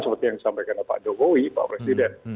seperti yang disampaikan pak jokowi pak presiden